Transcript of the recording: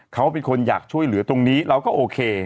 เขาเป็นคนอยากช่วยเหลือตรงนี้เราก็โอเค